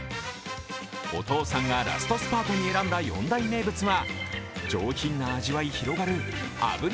お父さんがラストスパートに選んだ４大名物は上品な味わい広がる炙り